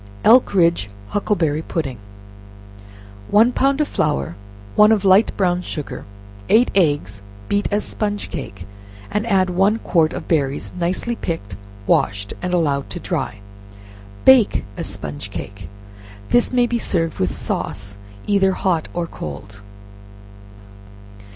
Elkridge Huckleberry Pudding. One pound of flour, one of light brown sugar, eight eggs beat as sponge cake, and add one quart of berries, nicely picked, washed, and allowed to dry, bake as sponge cake. This maybe served with sauce; either Lot or cold.